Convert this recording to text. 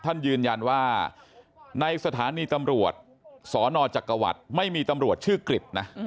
ท่านยืนยันว่าในสถานีตำรวจสนจักรวรรดิไม่มีตำรวจชื่อกริจนะ